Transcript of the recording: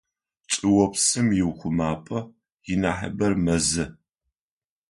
Чӏыопсым иухъумапӏэ инахьыбэр мэзы.